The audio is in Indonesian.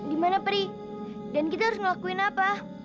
di mana perih dan kita harus ngelakuin apa